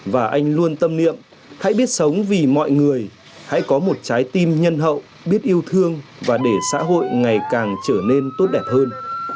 và anh luôn tâm niệm hãy biết sống vì mọi người hãy có một trái tim nhân hậu biết yêu thương và để xã hội ngày càng trở nên tốt đẹp hơn